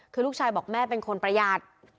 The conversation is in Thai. คือลูกชายบอกแม่เป็นคนประหยัด